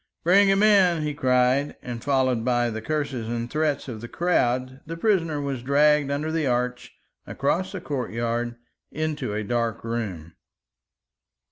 "Bring him in!" he cried; and followed by the curses and threats of the crowd, the prisoner was dragged under the arch across a courtyard into a dark room.